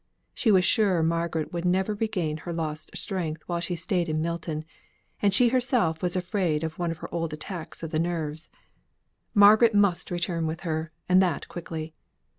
She was sure Margaret would never regain her lost strength while she stayed in Milton; and she herself was afraid of one of her old attacks of the nerves. Margaret must return with her, and that quickly.